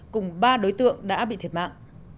cùng ba đối tượng bị bắt